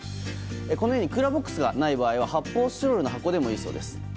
このようにクーラーボックスがない場合は発泡スチロールの箱でもいいそうです。